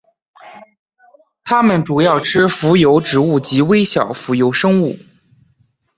它们主要吃浮游植物及微小浮游生物。